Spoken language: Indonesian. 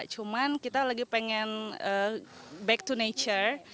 cuman kita lagi pengen back to nature